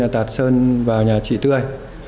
tạt sơn vào nhà chị tươi